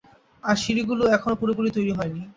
আর সিড়িগুলো ও এখনো পুরোপুরি তৈরি হয়নি।